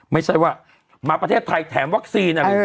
ไม่ใช่ว่ามาประเทศไทยแถมวัคซีน